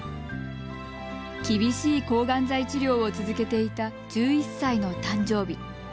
厳しい抗がん剤治療を続けていた１１歳の誕生日。